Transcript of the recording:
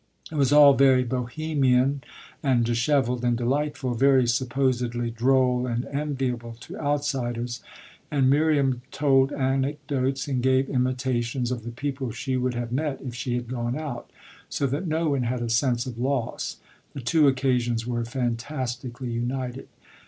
It was all very Bohemian and dishevelled and delightful, very supposedly droll and enviable to outsiders; and Miriam told anecdotes and gave imitations of the people she would have met if she had gone out, so that no one had a sense of loss the two occasions were fantastically united.